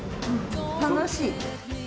楽しい。